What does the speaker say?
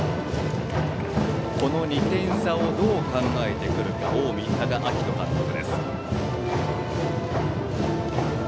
この２点差をどう考えてくるか近江、多賀章仁監督。